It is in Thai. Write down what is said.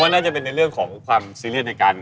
น่าจะเป็นในเรื่องของความซีเรียสในการ